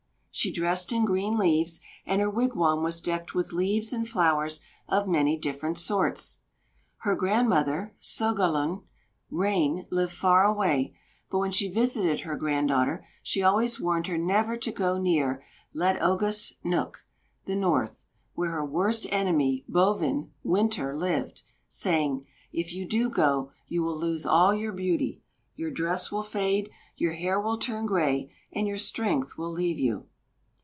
She dressed in green leaves, and her wigwam was decked with leaves and flowers of many different sorts. Her grandmother, Sogalŭn, Rain, lived far away, but when she visited her granddaughter, she always warned her never to go near "Let ogus nūk," the North, where her worst enemy, "Bovin," Winter, lived, saying: "If you do go, you will lose all your beauty, your dress will fade, your hair will turn gray, and your strength will leave you."